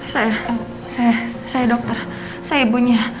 saya saya dokter saya ibunya